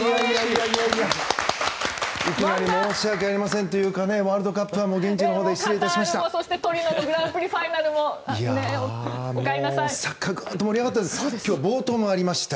いきなり申し訳ありませんというかワールドカップは現地にいました。